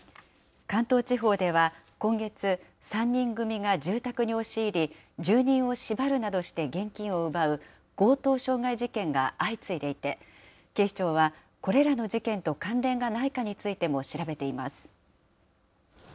関東地方では今月、３人組が住宅に押し入り、住人を縛るなどして、現金を奪う強盗傷害事件が相次いでいて、警視庁はこれらの事件が関連がないかについても調べています。